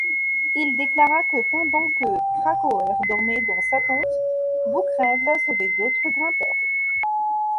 Il déclara que pendant que Krakauer dormait dans sa tente, Boukreev sauvait d'autres grimpeurs.